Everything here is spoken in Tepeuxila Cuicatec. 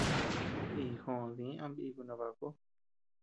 Iyu jòò dí ama biku no baku.